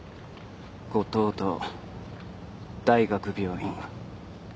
五島と大学病院。